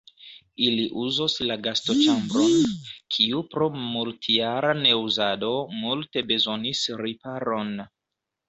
Ili uzos la gastoĉambron, kiu pro multjara neuzado multe bezonis riparon.